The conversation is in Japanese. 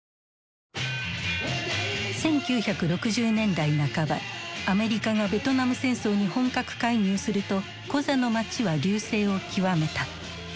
１９６０年代半ばアメリカがベトナム戦争に本格介入するとコザの街は隆盛を極めた。